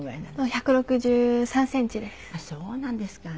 あっそうなんですか。